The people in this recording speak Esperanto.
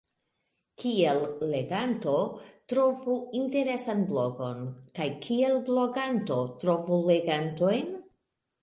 Kiel leganto trovu interesan blogon kaj kiel bloganto trovu legantojn?